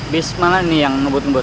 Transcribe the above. bus mana ini yang ngebut ngebut